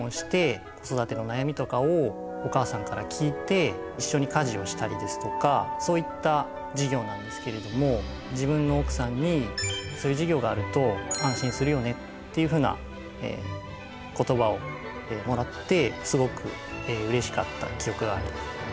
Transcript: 新しく今年から始めた事業でそういった事業なんですけれども自分のおくさんにそういう事業があると安心するよねっていうふうな言葉をもらってすごくうれしかった記憶があります。